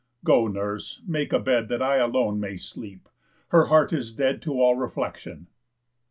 Go, nurse, make a bed, That I alone may sleep; her heart is dead To all reflection!"